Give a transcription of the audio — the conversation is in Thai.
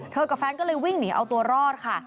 กับแฟนก็เลยวิ่งหนีเอาตัวรอดค่ะ